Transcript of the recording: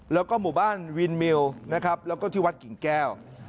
แล้วก็หมู่บ้านวินมิวนะครับแล้วก็ที่วัดกิ่งแก้ว